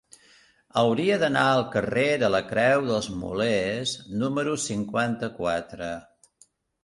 Hauria d'anar al carrer de la Creu dels Molers número cinquanta-quatre.